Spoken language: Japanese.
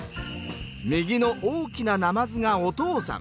右の大きななまずがお父さん。